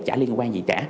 chả liên quan gì cả